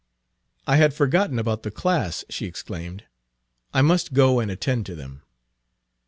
"I had forgotten about the class," she exclaimed. "I must go and attend to them."